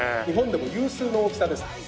日本でも有数の大きさです。